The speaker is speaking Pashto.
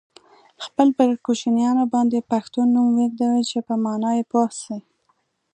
خپل پر کوچنیانو باندي پښتو نوم ویږدوی چې په مانا یې پوه سی.